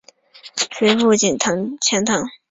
随父徙钱塘。